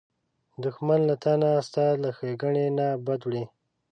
دښمن له تا نه، ستا له ښېګڼې نه بد وړي